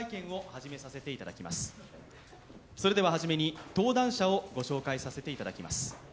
初めに登壇者からご紹介させていただきます。